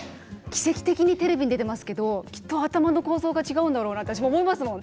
奇跡的にテレビに出ていますけどきっと頭の構造が違うだろうなと私、思います。